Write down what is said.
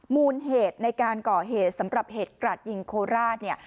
มูลเหตุในการก่อเหตุสำหรับเหตุกราดยิงโคราชเนี่ย